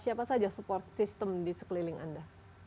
siapa saja support system di sekeliling anda